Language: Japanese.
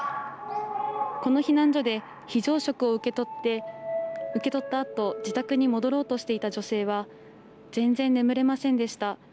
この避難所で非常食を受け取ったあと自宅に戻ろうとしていた女性は全然、眠れませんでした。